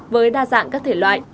với đa dạng các thể loại